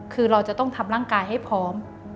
คือเราจะต้องทำร่างกายให้พร้อม